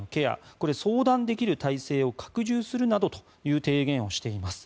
これ、相談できる体制を拡充するなどとの提言をしています。